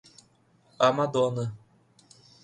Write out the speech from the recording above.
"A Madona"